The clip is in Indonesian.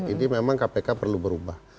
ini memang kpk perlu berubah